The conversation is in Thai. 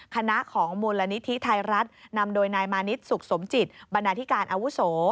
คณะของมูลนิธิไทยรัฐนำโดยนายมานิดสุขสมจิตบรรณาธิการอาวุโส